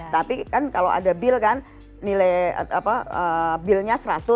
tapi kan kalau ada bil kan nilai bilnya seratus